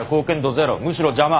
ゼロむしろ邪魔。